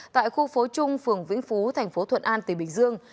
tại khu phố trung phường vĩnh phú thành phố thuận an tỉnh bình dương